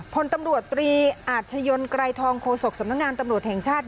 พลตำรวจตรีอาชญนไกรทองโฆษกสำนักงานตำรวจแห่งชาติ